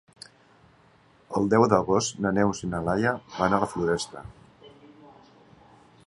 El deu d'agost na Neus i na Laia van a la Floresta.